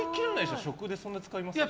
食でそんなに使います？